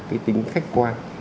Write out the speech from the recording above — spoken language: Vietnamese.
cái tính khách quan